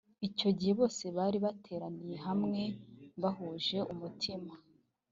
icyo gihe bose bari bateraniye hamwe bahuje umutima